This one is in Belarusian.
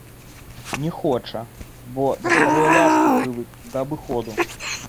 Не хоча, бо да старое ласкі прывык, да абыходу.